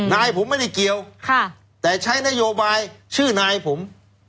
นายผมไม่ได้เกี่ยวแต่ใช้นโยบายชื่อนายผม